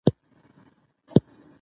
په تعلیم یافته ټولنو کې اعتماد ژور وي.